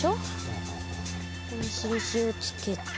ここに印をつけて。